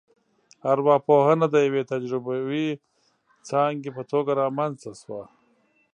ارواپوهنه د یوې تجربوي ځانګې په توګه رامنځته شوه